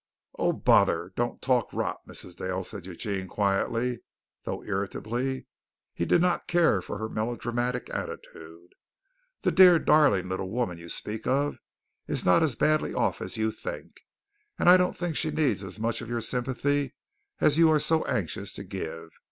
"Oh, bother! Don't talk rot, Mrs. Dale," said Eugene quietly, though irritably. He did not care for her melodramatic attitude. "The dear, darling little woman you speak of is not as badly off as you think, and I don't think she needs as much of your sympathy as you are so anxious to give.